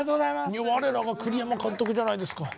我らが栗山監督じゃないですか！